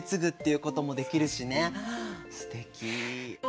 すてき！